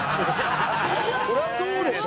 そりゃそうでしょ！